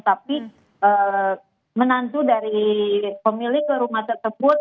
tapi menantu dari pemilik rumah tersebut